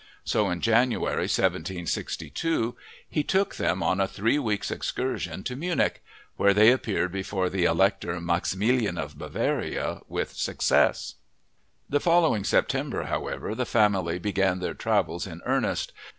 So in January 1762, he took them on a three weeks' excursion to Munich, where they appeared before the Elector Maximilian of Bavaria with success. The following September, however, the family began their travels in earnest.